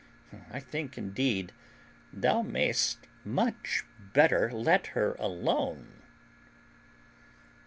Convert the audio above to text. I think, indeed, thou mayest much better let her alone."